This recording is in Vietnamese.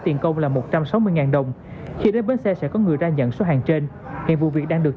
tiền công là một trăm sáu mươi đồng khi đến bến xe sẽ có người ra nhận số hàng trên hiện vụ việc đang được